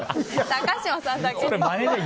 高嶋さんだけ。